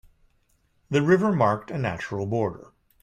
The river marked a natural border.